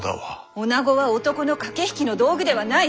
おなごは男の駆け引きの道具ではない！